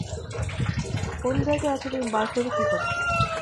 কোন জায়গায় আছে তুমি বার করবে কি করে?